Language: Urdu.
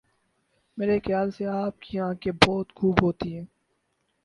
میری خیال سے آپ کی آنکھیں بہت خوب ہوتی ہیں.